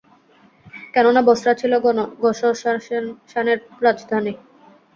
কেননা বসরা ছিল গাসসানের রাজধানী।